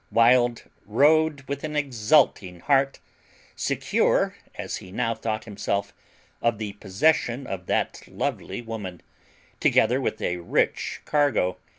Wild rode with an exulting heart, secure, as he now thought himself, of the possession of that lovely woman, together with a rich cargo.